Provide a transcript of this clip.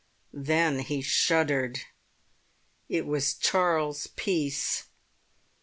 Then he shuddered. It was Charles Peace.